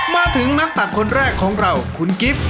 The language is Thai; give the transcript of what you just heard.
มาถึงนักตักคนแรกของเราคุณกิฟต์